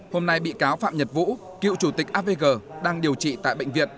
hôm nay bị cáo phạm nhật vũ cựu chủ tịch avg đang điều trị tại bệnh viện